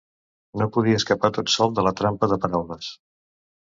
No podia escapar tot sol de la trampa de paraules.